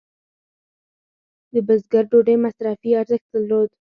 د بزګر ډوډۍ مصرفي ارزښت درلود.